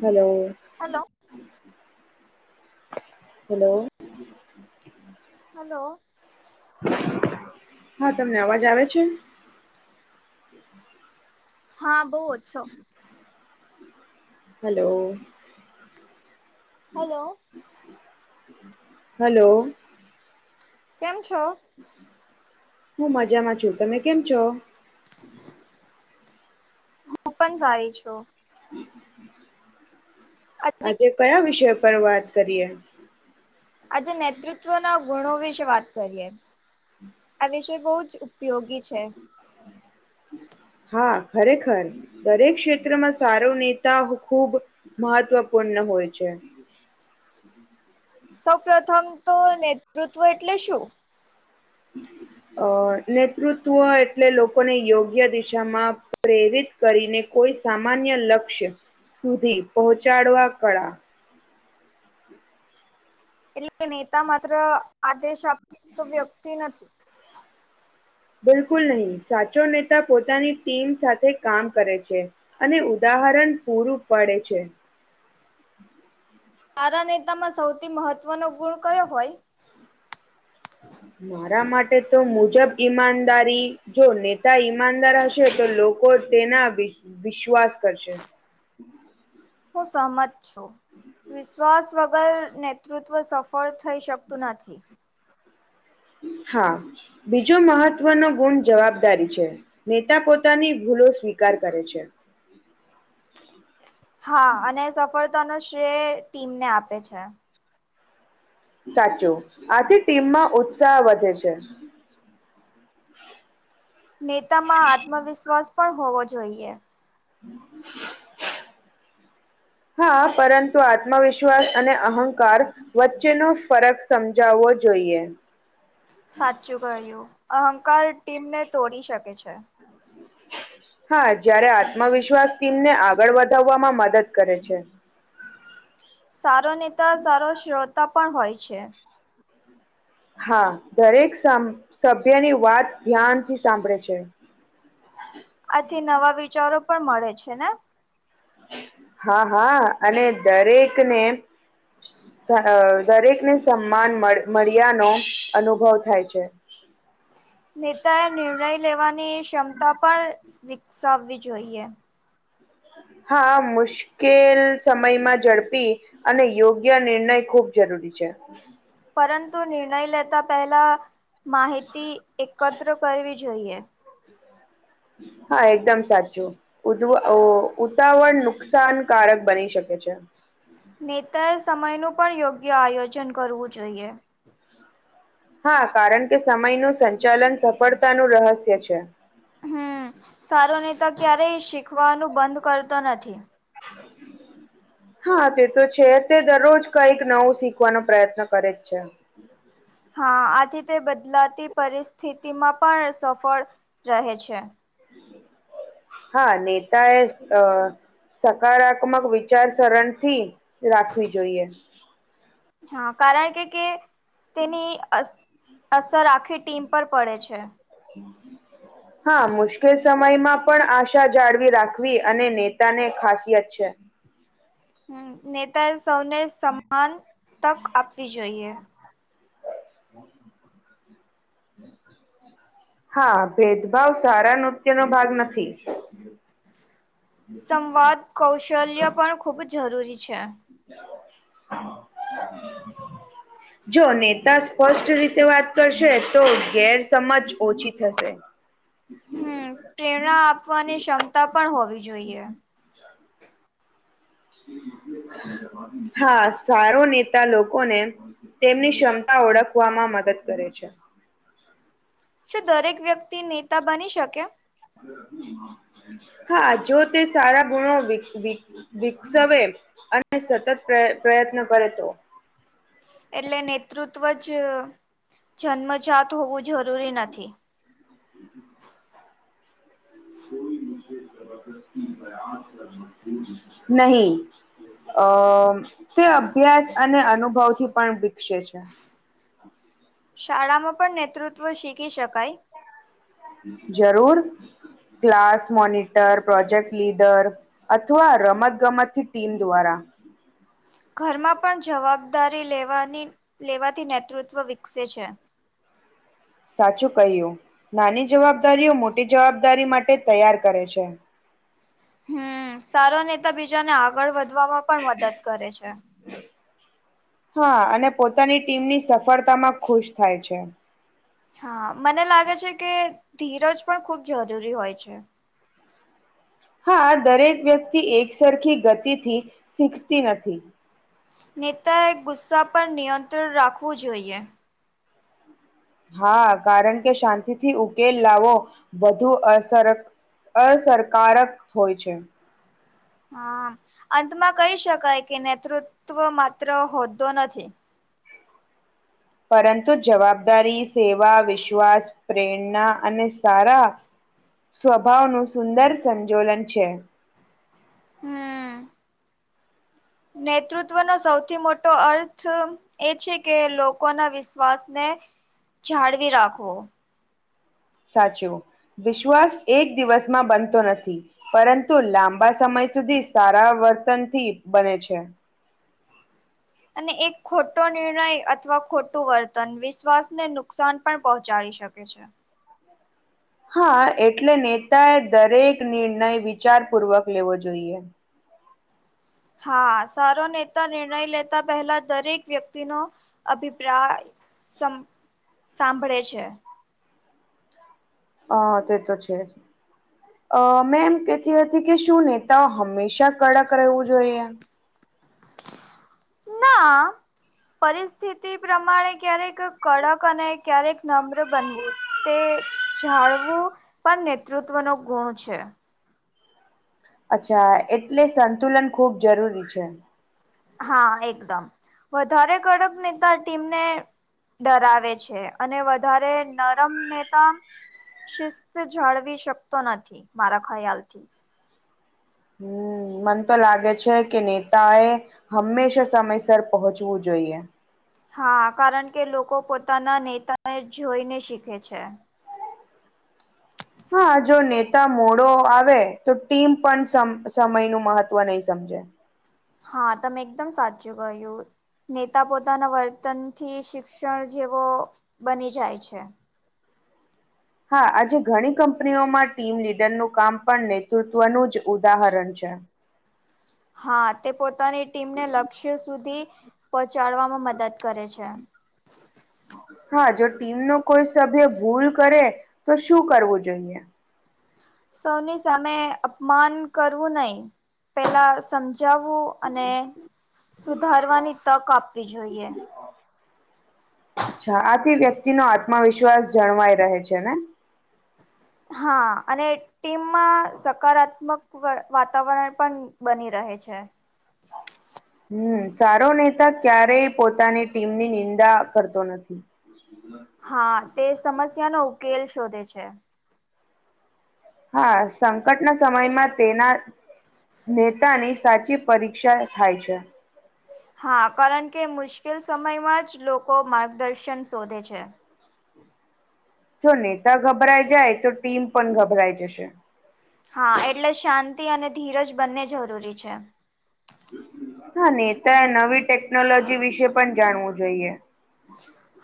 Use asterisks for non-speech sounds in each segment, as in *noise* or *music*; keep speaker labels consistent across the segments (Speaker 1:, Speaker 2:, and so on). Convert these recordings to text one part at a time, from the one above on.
Speaker 1: Hello.
Speaker 2: Hello.
Speaker 1: Hello.
Speaker 2: Hello.
Speaker 1: હા. તમને અવાજ આવે છે?
Speaker 2: હા બહુ ઓછો.
Speaker 1: હલો.
Speaker 2: Hello
Speaker 1: hello.
Speaker 2: કેમ છો?
Speaker 1: હું મજામાં છું. તમે કેમ છો?
Speaker 2: હું પન સારી છું.
Speaker 1: આજે ક્યા વિષય પર વાત કરીએ?
Speaker 2: આજે નેતૃત્વના ગુણો વિશે વાત કરીએ. આ વિષય બહુ જ ઉપયોગી છે.
Speaker 1: હા ખરેખર. દરેક ક્ષેત્રમાં સારો નેતા ખુબ મહત્વપૂર્ણ હોય છે.
Speaker 2: સૌ પ્રથમ તો નેતૃત્વ એટલે શું?
Speaker 1: અહ નેતૃત્વ એટલે લોકોને યોગ્ય દિશામાં પ્રેરિત કરીને કોઈ સામાન્ય લક્ષ્ય સુધી પહોંચાડવા કળા
Speaker 2: એટલે નેતા માત્ર આદેશ આપતો વ્યક્તિ નથી.
Speaker 1: બિલકુલ નહીં. સાચો નેતા પોતાની ટીમ સાથે કામ કરે છે. અને ઉદાહરણ પૂરું પાડે છે.
Speaker 2: સારા નેતામાં સૌથી મહત્વનો ગુણ ક્યો હોય?
Speaker 1: મારા માટે તો મુજબ ઈમાનદારી જો નેતા ઈમાનદાર હશે તો લોકો તેના વિશ્વાસ કરશે.
Speaker 2: હું સહમત છું વિશ્વાસ વગર નેતૃત્વ સ ફળ થઈ શકતું નથી.
Speaker 1: હા બીજો મહત્વનો ગુણ જવાબદારી છે. નેતા પોતાની ભૂલો સ્વીકાર કરે છે.
Speaker 2: હા અને સફળતાનો શ્રેય ટીમને આપે છે.
Speaker 1: સાચું આથી ટીમમાં ઉત્સાહ વધે છે.
Speaker 2: નેતા માં આત્મવિશ્વાસ પણ હોવો જોઈએ.
Speaker 1: હમ.
Speaker 2: *inaudible*
Speaker 1: હા પરંતુ આત્મવિશ્વાસ અને અહંકાર વચ્ચેનો ફરક સમજાવવો જોઈએ.
Speaker 2: સાચું કહ્યું અહંકાર ટીમને તોડી શકે છે.
Speaker 1: હા જયારે આત્મવિશ્વાસ ટીમને આગળ વધાવવામાં મદદ કરે છે.
Speaker 2: સારો નેતા સારો શ્રોતા પણ હોય છે.
Speaker 1: હા દરેક સભ્યની વાત ધ્યાનથી સાંભળે છે.
Speaker 2: આથી નવા વિચારો પણ મળે છે ને
Speaker 1: હા હા અને દરેકને દરેકને સન્માન મળ્યાનો અનુભવ થાય છે
Speaker 2: નેતાએ નિર્ણય લેવાની ક્ષમતા પણ વિકસાવવી જોઈએ
Speaker 1: હા મુશ્કે કેલ સમયમાં ઝડપી અને યોગ્ય નિર્ણય ખૂબ જરૂરી છે
Speaker 2: પરંતુ નિર્ણય લેતા પહેલા માહિતી એકત્ર કરવી જોઈએ
Speaker 1: હા એકદમ સાચું ઉ ઉતાવળ નુકસાનકારક બની શકે છે
Speaker 2: નેતાએ સમય નું પણ યોગ્ય આયોજન કરવું જોઈએ
Speaker 1: હા કારણ કે સમયનું સંચાલન સફળતાનું રહસ્ય છે
Speaker 2: હમ સારું નેતા ક્યારેય શીખવાનું બંધ કરતો નથી
Speaker 1: હ હા તે તો છે તે દરરોજ કઈક નવું શીખવાનો પ્રયત્ન કરેજ છે
Speaker 2: હા આથી તે બદલાતી પરિસ્થિતિમાં પણ સફળ રહે છે
Speaker 1: હા નેતા એ અ સકારાત્મક વિચાર સરરણ થી રાખવી જોઈએ
Speaker 2: હા કારણ કે કે તેની અસર રાખે આખી ટીમ પર પડે છે
Speaker 1: હમ હા મુશ્કેલ સમયમાં પણ આશા જાળવી રાખવી અને નેતાને ખાસિયત છે
Speaker 2: હ નેતાએ સૌને સમાન તક આપવી જોઈએ *inaudible*
Speaker 1: હા ભેદભાવ સારા નૃત્યનો ભાગ નથી
Speaker 2: સંવાદ કૌશલ્ય પણ ખૂબ જરૂરી છે
Speaker 1: જો નેતા સ્પષ્ટ રીતે વાત કરશે તો ગેરસમજ ઓછી થશે બ
Speaker 2: હમ પ્રેરણા આપવાની ક્ષમતા પણ હોવી જોઈએ.
Speaker 1: હા સારો નેતા લોકોને તેમની ક્ષમતા ઓળખવામાં મદદ કરે છે.
Speaker 2: શું દરેક વ્યક્તિ નેતા બની શકે?
Speaker 1: હા જો તે સારા ગુણો વી વી વિકસાવે અને સતત પ્ર પ્રયત્ન કરે તો
Speaker 2: એટલે નેતૃત્વ જ જન્મજાત હોવું જરૂરી નથી.
Speaker 1: નહી અ તે અભ્યાસ અને અનુભવથી પણ વિકસે છે.
Speaker 2: શાળામાં પણ નેતૃત્વ શીખી શકાય
Speaker 1: જરૂર ક્લાસ મોનિટર, પ્રોજેક્ટ લીડર અથવા રમત ગમતથી ટીમ દ્વારા
Speaker 2: ઘરમાં પણ જવાબદારી લેવાની લેવાથી નેતૃત્વ વિકસે છે.
Speaker 1: સાચું કહ્યું નાની જવાબદારીઓ મોટી જવાબદારી માટે તૈયાર કરે છે.
Speaker 2: હમ સારો નેતા બીજાને આગળ વધવામાં પણ કરે છે.
Speaker 1: હા અને પોતાની ટીમની સફળતામાં ખુશ થાય છે.
Speaker 2: હા મને લાગે છે, કે ધીરજ પણ ખુબ જરૂરી હોય છે.
Speaker 1: હા દરેક વ્યક્તિ એક સરરખી ગતિથી શીખતી નથી.
Speaker 2: નેતાએ ગુસ્સા પર નિયંત્રણ રાખવું જોઈએ.
Speaker 1: હા કારણ કે શાંતિથી ઉકેલ લાવો વધુ અસરક અસરકારક હોય છે.
Speaker 2: હા અંતમાં કહી શકાય કે નેતૃત્વ માત્ર હોદ્દો નથી.
Speaker 1: પરંતુ જવાબદારી, સેવા, વિશ્વાસ, પ્રેરણા, અને સારા સ્વભાવનું સુંદર સંજોલન છે.
Speaker 2: હમ. નેતૃત્વનો સૌથી મોટો અર્થ એ છે, કે લોકો ના વિશ્વાસને જાળવી રાખવો.
Speaker 1: સાચું વિશ્વાસ એક દિવસમાં બનતો નથી. પરંતુ લાંબા સમય સુધી સારા વર્તનથી બને છે.
Speaker 2: અને એક ખોટો નિર્ણય અથવા ખોટું વર્તન વિશ્વાસને નુકસાન પણ પહોંચાડી શકે છે.
Speaker 1: હા એટલે નેતાએ દરેક નિર્ણય વિચાર પૂર્વક લેવો જોઈએ.
Speaker 2: હા સારો નેતા નિર્ણય લેતા પહેલા દરેક વ્યક્તિ નો અભિપ્રાય સમ સાંભળે છે.
Speaker 1: અ તે તો છે, જ અ મેં એમ કતી હતી કે શું નેતાઓ હંમેશા કડક રહેવું જોઈએ?
Speaker 2: ના પરિસ્થિતિ પ્રમાણે ક્યારેક કડક અને ક્યારેક નમ્ર બનવું તે જાળવું પણ નેતૃત્વનો ગુણ છે.
Speaker 1: અચ્છા એટલે સંતુલન ખૂબ જરૂરી છે.
Speaker 2: હા એકદમ વધારે કડક નેતા ટીમને ડરાવે છે, અને વધારે નરમ નેતા શિસ્ત જાળવી શકતો નથી મારા ખ્યાલ થી
Speaker 1: હમ મન તો લાગે છે, કે નેતા એ હંમેશા સમયસર પહોંચવું જોઈએ.
Speaker 2: હા કારણ કે લોકો પોતાના નેતાને જોઈને શીખે છે.
Speaker 1: હા જો નેતા મોડો આવે તો ટીમ પણ સ સમય નુ મહત્વ નહીં સમજે.
Speaker 2: હા તમે એકદમ સાચું કહ્યું. નેતા પોતાના વર્તન થી શિક્ષણ જેવો બની જાય છે.
Speaker 1: હા આજે ઘણી કંપનીઓમાં ટીમ લીડરનું કામ પણ નેતૃત્વનું જ ઉદાહરણ છે.
Speaker 2: હા તે પોતાની ટીમને લક્ષ્ય સુધી પહોંચાડવામાં મદદ કરે છે.
Speaker 1: હા જો ટીમ નો કોઈ સભ્ય ભૂલ કરે તો શું કરવું જોઈએ?
Speaker 2: સૌની સામે અપમાન કરવું નહી પેલા સમજાવવું અને સુધારવાની તક આપવી જોઈએ.
Speaker 1: અચ્છા આથી વ્યક્તિનો આત્મવિશ્વાસ જળવાય રહે છેને?
Speaker 2: હા અને એ ટીમમાં સકારાત્મક વ વાતાવરણ પણ બની રહે છે.
Speaker 1: હમ્મ, સારો નેતા ક્યારેય પોતાની ટીમની નિંદા કરતો નથી.
Speaker 2: હા તે સમસ્યા નો ઉકેલ શોધે છે.
Speaker 1: હા સંકટના સમયમાં તેના નેતાની સાચી પરીક્ષા થાય છે.
Speaker 2: હા, કારણ કે મુશ્કેલ સમયમાં જ લોકો માર્ગદર્શન શોધે છે.
Speaker 1: જો નેતા ગભરાઈ જાય તો ટીમ પણ ગભરાઈ જશે.
Speaker 2: હા, એટલે શાંતિ અને ધીરજ બંને જરૂરી છે.
Speaker 1: હા નેતાએ નવી ટેકનોલોજી વિશે પણ જાણવું જોઈએ.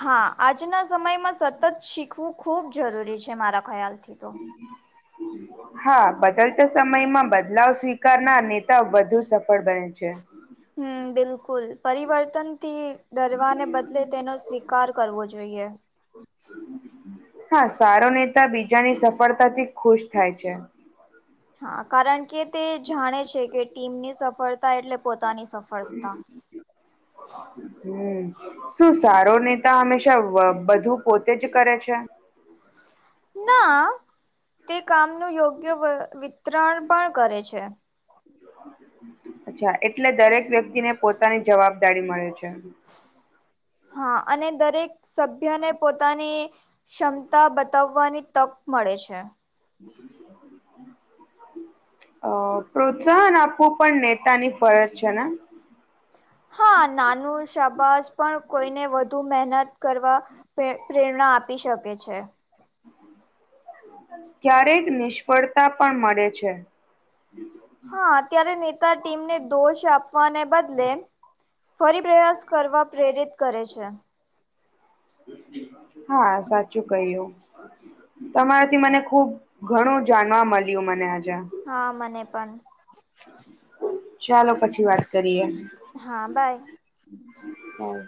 Speaker 2: હા, આજના સમયમાં સતત શીખવું ખૂબ જરૂરી છે મારા ખ્યાલથી તો. *inaudible*
Speaker 1: હા, બદલતા સમયમાં બદલાવ સ્વીકારનાર નેતા વધુ સફળ બને છે.
Speaker 2: હમ્મ, બિલકુલ પરિવર્તનથી ડરવાને બદલે તેનો સ્વીકાર કરવો જોઈએ.
Speaker 1: હા, સારો નેતા બીજાની સફળતાથી ખુશ થાય છે.
Speaker 2: હા, કારણ કે તે જાણે છે કે ટીમની સફળતા એટલે પોતાની સ
Speaker 1: *inaudible*
Speaker 2: *inaudible*
Speaker 1: હમ્મ, શું સારો નેતા હંમેશા બધું પોતે જ કરે છે?
Speaker 2: ના, તે કામનું યોગ્ય વિતરણ પણ કરે છે.
Speaker 1: અચ્છા એટલે દરેક વ્યક્તિ ને પોતાની જવાબદારી મળે છે.
Speaker 2: હા અને દરેક સભ્યને પોતાની ક્ષમતા બતાવવાની તક મળે છે.
Speaker 1: *inaudible* અ પ્રોત્સાહન આપવું પણ નેતાની ફરજ છે ને?
Speaker 2: હા નાનું શાબાસ પણ કોઈને વધુ મહેનત કરવા પ્રે પ્રેરણા આપી શકે છે.
Speaker 1: ક્યારેક નિષ્ફળતા પણ મળે છે.
Speaker 2: હા, અત્યારે નેતા ટીમને દોષ આપવાને બદલે ફરી પ્રયાસ કરવા પ્રેરિત કરે છે.
Speaker 1: હા સાચું કહ્યું. તમારાથી મને ખુબ ઘણું જાણવા મળ્યું મને આજે.
Speaker 2: હા મને પણ.
Speaker 1: ચાલો પછી વાત કરીએ.
Speaker 2: હા બાય.
Speaker 1: બાય.